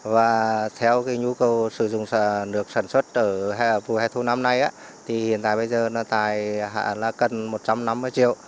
và theo nhu cầu sử dụng nước sản xuất ở vùng hẻ thu năm nay hiện tại bây giờ nó tài hạn là cần một trăm năm mươi triệu